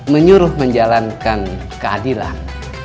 menyuruh menjalankan keadilan